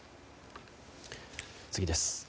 次です。